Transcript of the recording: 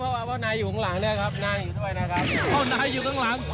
เพราะว่านายอยู่ข้างหลังเนี่ยครับนั่งอยู่ด้วยนะครับเพราะนายอยู่ข้างหลัง